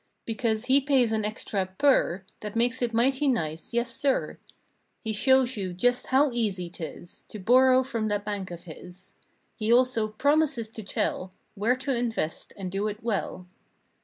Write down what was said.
Because he pays an extra PER That makes it mighty nice, yes sir. He shows you just how easy 'tis To borrow from that bank of his. He also promises to tell Where to invest and do it well.